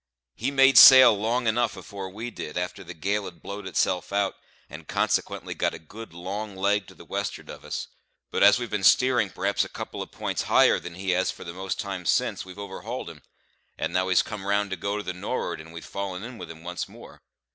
He made sail long enough afore we did, a'ter the gale had blowed itself out, and consequently got a good long leg to the west'ard of us; but as we've been steering perhaps a couple of p'ints higher than he has for most of the time since, we've overhauled him; and now he's come round to go to the nor'ard, and we've fallen in with him once more."